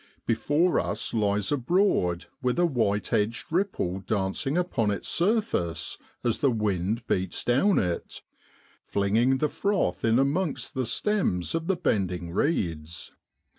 Before us lies a Broad with a white edged ripple dancing upon its surface as the wind beats down it, flinging the froth in amongst the stems of the bending reeds.